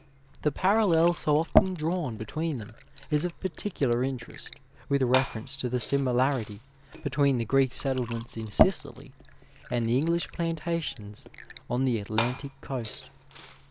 The parallel so often drawn between them is of particular interest with reference to the similarity between the Greek settlements in Sicily and the English plantations on the Atlantic coast.